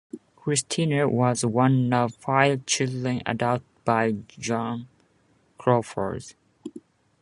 Christina was one of five children adopted by Joan Crawford.